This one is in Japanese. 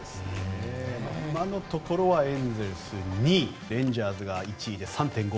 今のところはエンゼルス２位レンジャースが１位で３．５